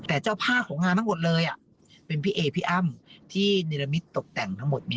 แต่เจ้าภาพของงานทั้งหมดเลยเป็นพี่เอพี่อ้ำที่นิรมิตตกแต่งทั้งหมด